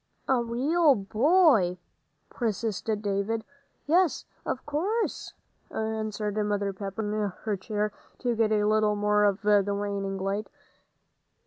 "A real boy?" persisted David. "Yes, of course," answered Mother Pepper, moving her chair to get a little more of the waning light.